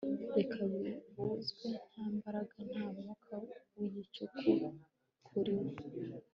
Reka bivuzwe nta mbaraga nta mwuka wigicucu kuriwo